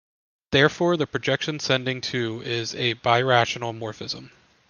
Therefore, the projection sending to is a birational morphism.